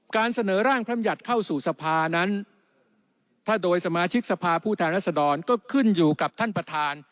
การเสนอร่างพรรมยัติเข้าสู่สภานั้นถ้าโดยสมาชิกสภาผู้แทนรัศดรก็ขึ้นอยู่กับท่านประธาน